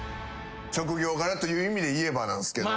職業柄という意味で言えばなんすけど。